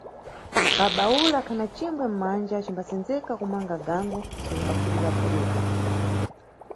Baba ule akhana cingwe mmanja acimbasenzeka kumanga gango acimbapfudula-pfudula.